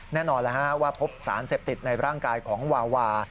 แน่นอนว่าพบสารเสพติดในร่างกายของวาวา